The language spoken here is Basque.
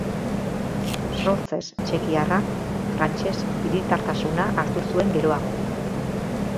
Sortzez txekiarra, frantses hiritartasuna hartu zuen geroago.